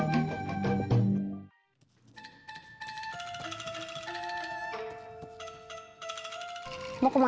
biar saya berangkat dulu